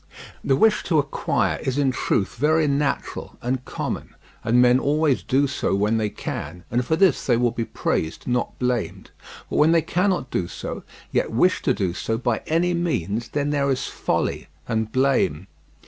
The wish to acquire is in truth very natural and common, and men always do so when they can, and for this they will be praised not blamed; but when they cannot do so, yet wish to do so by any means, then there is folly and blame.